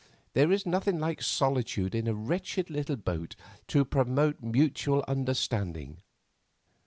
There is nothing like solitude in a wretched little boat to promote mutual understanding.